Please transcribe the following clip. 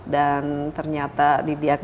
dan ternyata didiagnos